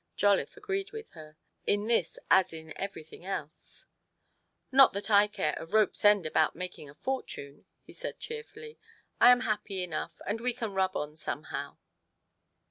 Jolliffe agreed with her, in this as in every thing else. " Not that I care a rope's end about making a fortune," he said cheerfully. " I am happy enough, and we can rub on somehow."